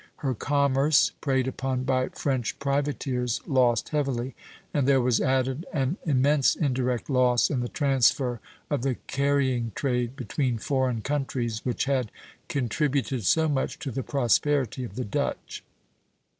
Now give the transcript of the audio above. Her commerce, preyed upon by French privateers, lost heavily; and there was added an immense indirect loss in the transfer of the carrying trade between foreign countries, which had contributed so much to the prosperity of the Dutch.